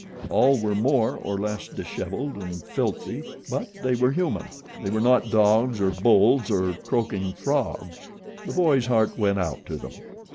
All were more or less dishevelled and filthy; but they were human. They were not dogs, or bulls, or croaking frogs. The boy's heart went out to them.